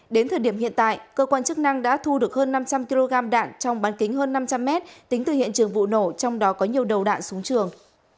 đến thời điểm hiện tại cơ quan chức năng đã thu được hơn năm trăm linh kg đạn trong bán kính hơn năm trăm linh mét tính từ hiện trường vụ nổ trong đó có nhiều đầu đạn súng trường